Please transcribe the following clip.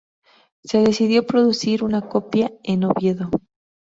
Se decidió producir una copia en Oviedo.